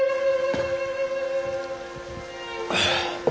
ああ。